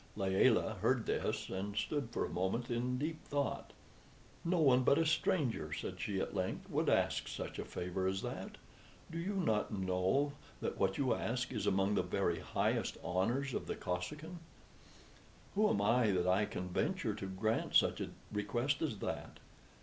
Layelah heard this, and stood for a moment in deep thought. "No one but a stranger," said she at length, "would ask such a favor as that. Do you not know that what you ask is among the very highest honors of the Kosekin? Who am I that I can venture to grant such a request as that?